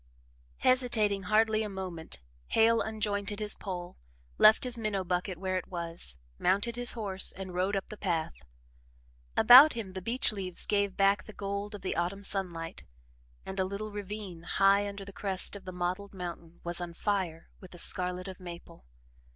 Hesitating hardly a moment, Hale unjointed his pole, left his minnow bucket where it was, mounted his horse and rode up the path. About him, the beech leaves gave back the gold of the autumn sunlight, and a little ravine, high under the crest of the mottled mountain, was on fire with the scarlet of maple.